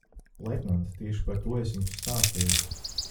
Leitnant, tieši par to es jums stāstīju.